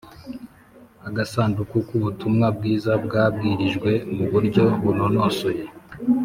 Agasanduku k’ Ubutumwa bwiza bwabwirijwe mu buryo bunonosoye